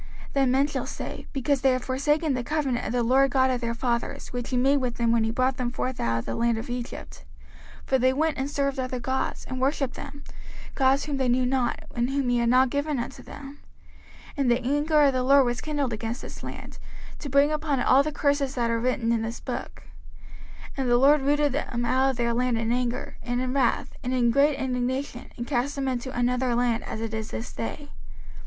05:029:025 Then men shall say, Because they have forsaken the covenant of the LORD God of their fathers, which he made with them when he brought them forth out of the land of Egypt: 05:029:026 For they went and served other gods, and worshipped them, gods whom they knew not, and whom he had not given unto them: 05:029:027 And the anger of the LORD was kindled against this land, to bring upon it all the curses that are written in this book: 05:029:028 And the LORD rooted them out of their land in anger, and in wrath, and in great indignation, and cast them into another land, as it is this day.